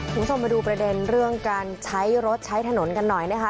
คุณผู้ชมมาดูประเด็นเรื่องการใช้รถใช้ถนนกันหน่อยนะคะ